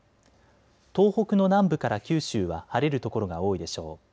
東北の南部から九州は晴れる所が多いでしょう。